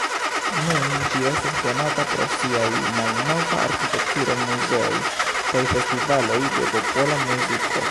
Nun ĝi estas konata pro siaj malnova arkitekturo, muzeoj kaj festivaloj de popola muziko.